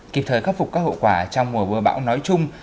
kịp thời khắc phục các hậu quả trong mùa mưa bão nói chung